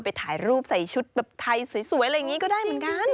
ไปถ่ายรูปใส่ชุดแบบไทยสวยอะไรอย่างนี้ก็ได้เหมือนกัน